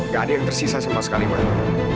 gak ada yang tersisa sama sekali mbak